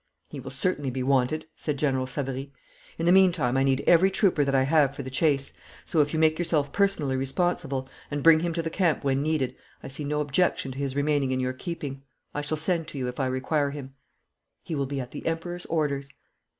'He will certainly be wanted,' said General Savary. 'In the meantime I need every trooper that I have for the chase, so, if you make yourself personally responsible, and bring him to the camp when needed, I see no objection to his remaining in your keeping. I shall send to you if I require him.' 'He will be at the Emperor's orders.'